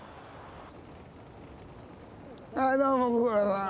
はいどうもご苦労さん。